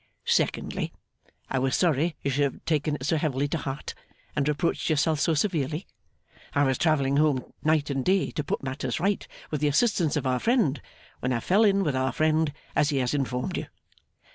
Secondly. I was sorry you should have taken it so heavily to heart, and reproached yourself so severely; I was travelling home night and day to put matters right, with the assistance of our friend, when I fell in with our friend as he has informed you.